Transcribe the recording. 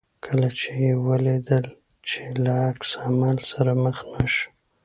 کله چې یې ولیدل چې له عکس العمل سره مخ نه شو.